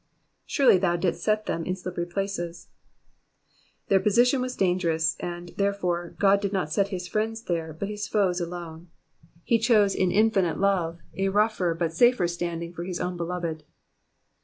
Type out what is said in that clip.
''^Surely thou didst set them in slippery places,' Their position was dangerous, and, therefore, Qod did not set his friends there but his foes alone. He chose, in infinite love, a rougher but safer standing for his own beloved.